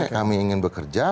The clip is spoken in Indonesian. kami ingin bekerja